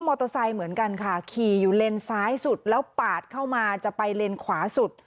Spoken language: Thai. เหมือนกันค่ะขี่อยู่เลนซ้ายสุดแล้วปาดเข้ามาจะไปเลนขวาสุด